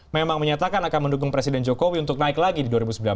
memang menyatakan akan mendukung presiden jokowi untuk naik lagi di dua ribu sembilan belas